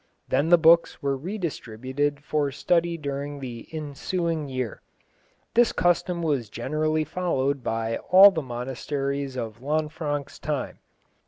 Then the books were re distributed for study during the ensuing year. This custom was generally followed by all the monasteries of Lanfranc's time.